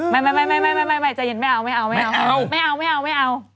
ไม่ใจเย็นไม่เอา